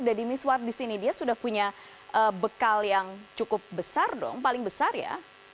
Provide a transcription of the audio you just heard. dedy miswar disini dia sudah punya bekal yang cukup besar dong paling besar ya